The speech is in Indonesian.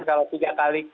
kalau tiga kali